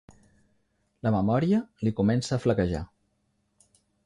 La memòria li comença a flaquejar.